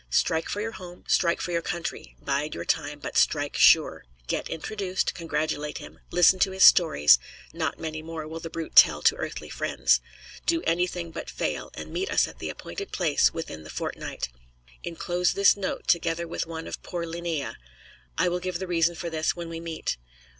Strike for your home, strike for your country; bide your time, but strike sure. Get introduced, congratulate him, listen to his stories not many more will the brute tell to earthly friends. Do anything but fail, and meet us at the appointed place within the fortnight. Inclose this note, together with one of poor Leenea. I will give the reason for this when we meet.